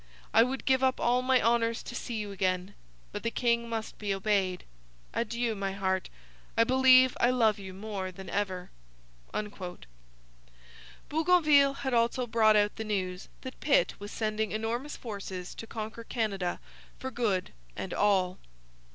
I would give up all my honours to see you again. But the king must be obeyed. Adieu, my heart, I believe I love you more than ever!' Bougainville had also brought out the news that Pitt was sending enormous forces to conquer Canada for good and all.